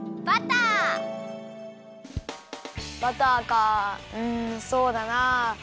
バターかうんそうだなあ。